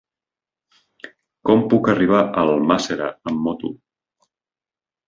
Com puc arribar a Almàssera amb moto?